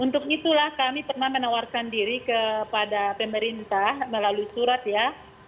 untuk itulah kami pernah menawarkan diri kepada pemerintah melalui surat ya